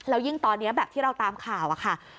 แล้วยิ่งตอนนี้แบบที่เราตามข่าวอะค่ะ